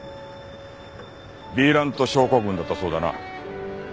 ヴィーラント症候群だったそうだな。